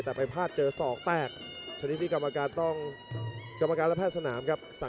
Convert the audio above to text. แต่ไปพลาดเจอสอกแตก